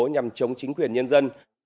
nhằm chống chính quyền nhân dân